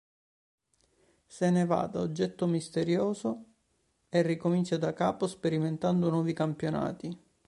Se ne va da oggetto misterioso e ricomincia da capo, sperimentando nuovi campionati.